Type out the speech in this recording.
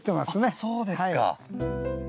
あっそうですか。